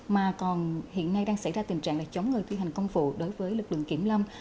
mà còn hiện nay đang xảy ra tình trạng là chống người thi hành công vụ đối với lực lượng kiểm lâm